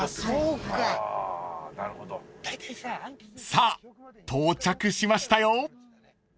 ［さあ到着しましたよ］